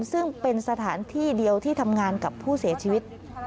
ซึ่งเป็นสถานที่เดียวที่ทำงานกับผู้เสียชีวิต